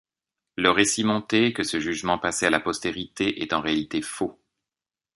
Le récit monter que ce jugement passé à la postérité est en réalité faux.